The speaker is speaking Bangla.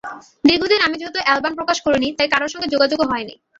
দীর্ঘদিন আমি যেহেতু অ্যালবাম প্রকাশ করিনি, তাই কারও সঙ্গে যোগাযোগও হয়নি।